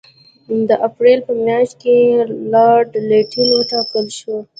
د اپرېل په میاشت کې لارډ لیټن وټاکل شو.